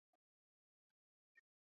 Atuta weza ku ishi kwashipo ku rima